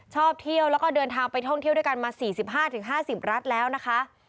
ชอบเที่ยวแล้วก็เดินทางไปท่องเที่ยวด้วยกันมา๔๕๕๐รัฐแล้วนะคะ